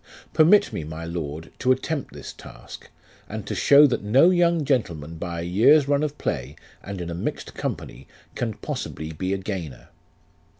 Permit me, my lord, to attempt this task, and to show, that no young gentleman by a year's run of play, and in a mixed company, can possibly be a gainer.